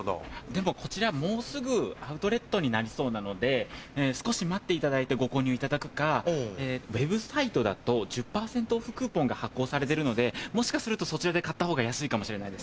でもこちらもうすぐアウトレットになりそうなので少し待っていただいてご購入いただくかウェブサイトだと１０％オフクーポンが発行されてるのでもしかするとそちらで買ったほうが安いかもしれないです。